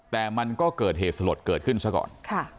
แต่มันก็เกิดเหตุสลดเกิดขึ้นซะก่อน